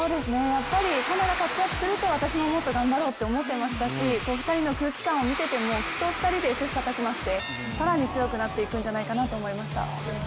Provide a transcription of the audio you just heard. やっぱり加奈が活躍すると私ももっと頑張ろうって思ってましたしお二人の空気感を見てても２人で切磋琢磨して更に強くなっていくんじゃないかなと思いました。